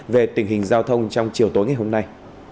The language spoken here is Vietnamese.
về tình hình giao thông trong chiều tối ngày hôm nay